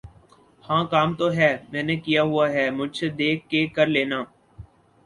ہاں کام تو ہے۔۔۔ میں نے کیا ہوا ہے مجھ سے دیکھ کے کر لینا۔